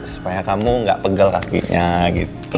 supaya kamu nggak pegel kakinya gitu